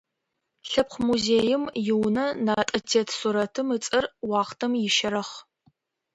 Лъэпкъ музейм иунэ натӏэ тет сурэтым ыцӏэр «Уахътэм ищэрэхъ».